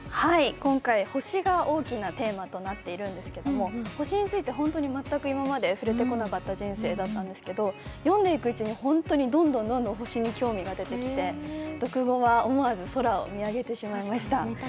今回、星が大きなテーマとなっているんですけども、星について本当に全く今まで触れてこなかった人生だったんですけど、読んでいくうちに、本当にどんどん星に興味が出てきて読後は、思わず空を見上げてしまいました。